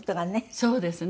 そうですね。